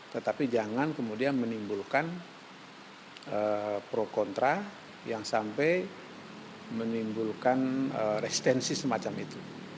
tetapi jangan kemudian menimbulkan pro kontra yang sampai menimbulkan restensi semacam itu